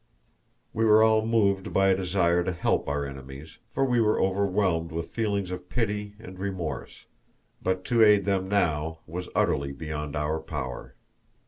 We were all moved by a desire to help our enemies, for we were overwhelmed with feelings of pity and remorse, but to aid them was now utterly beyond our power.